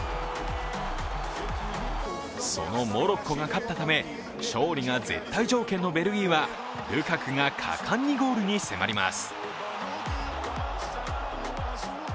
そのモロッコが勝ったため、勝利が絶対条件のベルギーはルカクが果敢にゴールに迫ります。